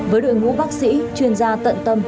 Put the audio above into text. với đội ngũ bác sĩ chuyên gia tận tâm